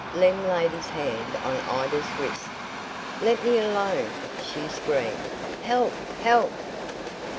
Lem laid his hand on Ida's wrist. "Let me alone!" she screamed. "Help! help!"